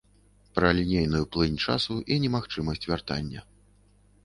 Пра лінейную плынь часу і немагчымасць вяртання.